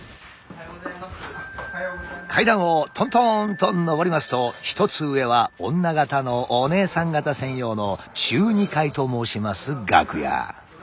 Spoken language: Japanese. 階段をトントンと上りますと１つ上は女形のお姐さん方専用の中二階と申します楽屋。